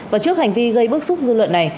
và trước hành vi gây bức xúc dư luận này